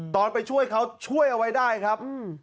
ตอนไปช่วยเขาช่วยเอาไว้ได้ครับ